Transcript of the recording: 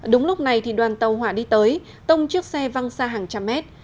đúng lúc này thì đoàn tàu hỏa đi tới tông chiếc xe văng xa hàng trăm mét